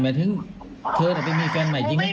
หมายถึงเธอจะไปมีเฟรนใหม่จริงหรือ